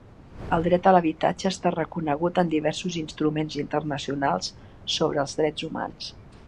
El dret a l'habitatge està reconegut en diversos instruments internacionals sobre els drets humans.